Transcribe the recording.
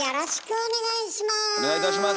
お願いいたします。